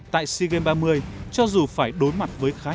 tại sea games ba mươi cho dù phải đối mặt với khá nhiều người